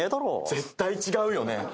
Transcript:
絶対違うよね？